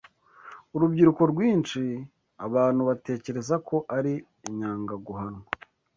Urubyiruko rwinshi abantu batekereza ko ari inyangaguhanwa